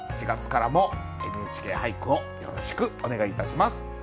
４月からも「ＮＨＫ俳句」をよろしくお願いいたします。